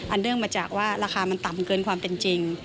เนื่องมาจากว่าราคามันต่ำเกินความเป็นจริง